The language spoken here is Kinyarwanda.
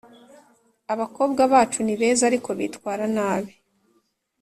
abakobwa bacu ni beza ariko bitwara nabi